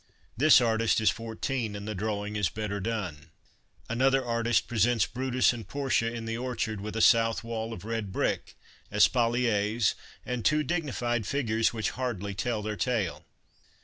This artist is fourteen, and the drawing is better done. Another artist presents Brutus and Portia in the orchard with a ' south wall ' of red brick, espaliers, and two dignified figures which hardly tell their tale.